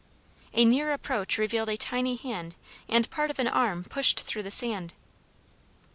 A near approach revealed a tiny hand and part of an arm pushed through the sand.